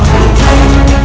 jangan lupa mencari nyawa